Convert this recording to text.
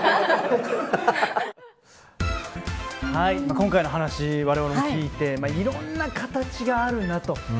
今回の話をわれわれ聞いていろいろな形があるなと。